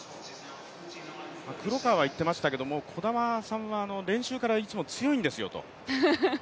黒川は言ってましたけど、児玉さんは練習から強いんですよと。